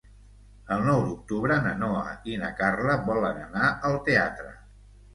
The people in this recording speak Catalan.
El nou d'octubre na Noa i na Carla volen anar al teatre.